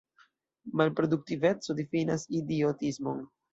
Malproduktiveco difinas idiotismon.